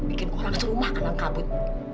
bikin orang serumah kadang kabut